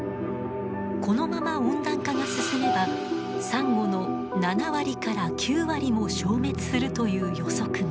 このまま温暖化が進めばサンゴの７割から９割も消滅するという予測が。